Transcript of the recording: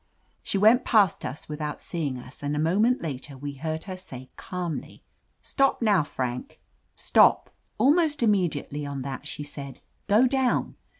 She went past us without seeing us, and a moment later we heard her say calmly: "Stop now, Frank. Stop!" Almost immediately on that she said, "Go down!